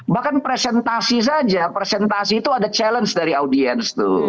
bahkan presentasi saja presentasi itu ada challenge dari audiens tuh